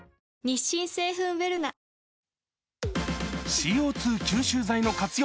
ＣＯ２吸収剤の活用